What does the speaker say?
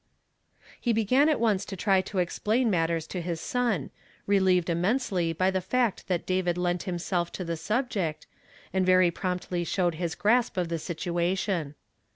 He began at once to try to explain mattere to his son, relieved immensely by the fact that David lent himself to the subject, and very promptly showed his grasp of the situation.